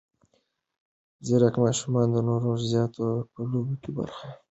ځیرک ماشومان تر نورو زیات په لوبو کې برخه اخلي.